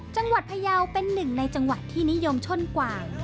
พยาวเป็นหนึ่งในจังหวัดที่นิยมชนกว่าง